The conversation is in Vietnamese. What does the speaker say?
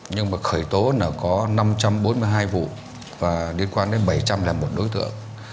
nhưng mà khởi tố là có năm trăm bốn mươi hai vụ và liên quan đến bảy trăm linh một đối tượng